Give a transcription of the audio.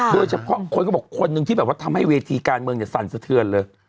โดยเฉพาะคนหนึ่งที่บอกทำให้เวรทีการเมืองซันเสียเทือ่นเลย